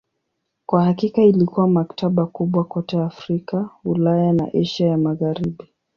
Kwa hakika ilikuwa maktaba kubwa kote Afrika, Ulaya na Asia ya Magharibi.